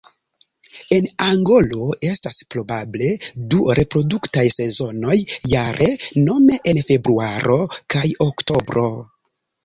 En Angolo estas probable du reproduktaj sezonoj jare nome en februaro kaj oktobro.